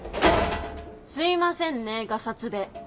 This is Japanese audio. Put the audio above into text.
すいませんねガサツで。